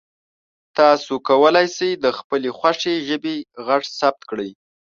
تاسو کولی شئ د خپلې خوښې ژبې غږ ثبت کړئ.